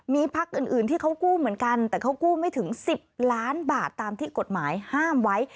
มีพักอื่นที่เขากู้เหมือนกันแต่เขากู้ไม่ถึง๑๐ล้านบาทตามที่กฎหมายห้ามไว้